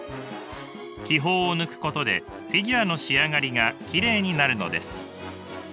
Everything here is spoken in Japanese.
気泡を抜くことでフィギュアの仕上がりがきれいになるのです。